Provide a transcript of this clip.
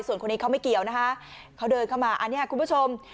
ส่วนคนนี้เขาไม่เกี่ยวนะคะเขาเดินเข้ามาอันนี้คุณผู้ชม